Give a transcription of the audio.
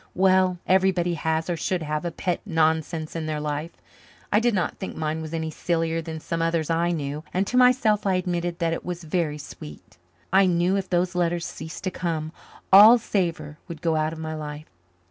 Well, everybody has, or should have, a pet nonsense in her life. I did not think mine was any sillier than some others I knew, and to myself I admitted that it was very sweet. I knew if those letters ceased to come all savour would go out of my life.